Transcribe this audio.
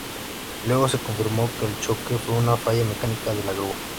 Luego se confirmó que el choque fue una falla mecánica de la grúa.